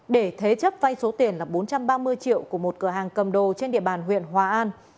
để thế chấp vay số tiền là bốn trăm ba mươi triệu của một cửa hàng cầm đồ trên địa bàn huyện hòa an